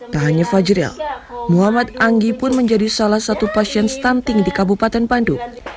tak hanya fajril muhammad anggi pun menjadi salah satu pasien stunting di kabupaten bandung